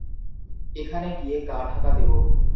এখানে গিয়ে গা ঢাকা দেবো।